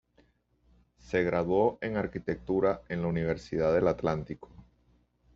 Se graduó en Arquitectura en la Universidad del Atlántico.